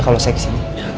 kalau saya kesini